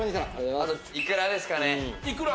あといくらですかねいくら？